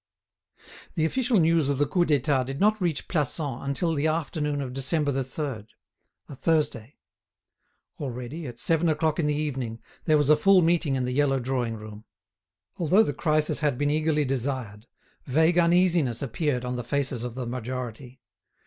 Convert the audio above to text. The official news of the Coup d'État did not reach Plassans until the afternoon of December 3—a Thursday. Already, at seven o'clock in the evening, there was a full meeting in the yellow drawing room. Although the crisis had been eagerly desired, vague uneasiness appeared on the faces of the majority.